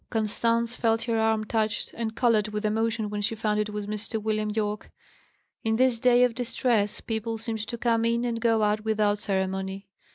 Constance felt her arm touched, and coloured with emotion when she found it was Mr. William Yorke. In this day of distress, people seemed to come in and go out without ceremony.